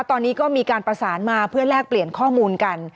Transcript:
ตอนนี้ก็มีการประสานมาเพื่อแลกเปลี่ยนข้อมูลกัน